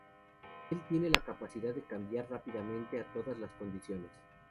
Él tiene la capacidad de cambiar rápidamente a todas las condiciones.